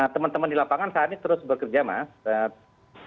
teman teman di lapangan saat ini terus bekerja mas